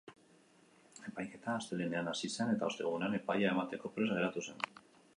Epaiketa astelehenean asi zen eta ostegunean epaia emateko prest geratu zen.